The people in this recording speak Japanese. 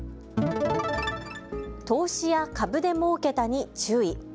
投資や株でもうけたに注意。